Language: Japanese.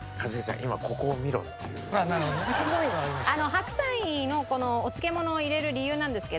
白菜のお漬物を入れる理由なんですけど。